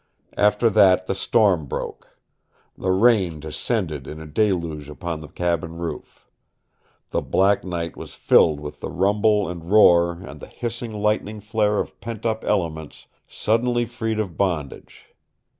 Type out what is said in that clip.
After that the storm broke. The rain descended in a deluge upon the cabin roof. The black night was filled with the rumble and roar and the hissing lightning flare of pent up elements suddenly freed of bondage.